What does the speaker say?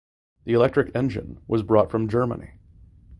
The electric engine was brought from Germany.